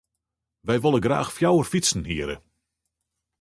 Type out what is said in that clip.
Wy wolle graach fjouwer fytsen hiere.